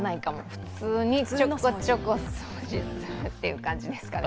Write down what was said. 普通にちょこちょこ掃除するっていう感じですかね。